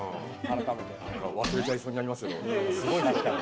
忘れちゃいそうになりますけど。